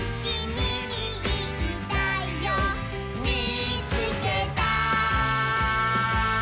「みいつけた」